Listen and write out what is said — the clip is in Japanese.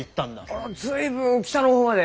あ随分北の方まで。